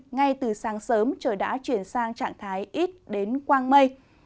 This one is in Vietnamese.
ngay từ sáng sớm trời đã chuyển sang trạng thái ít đến quang mây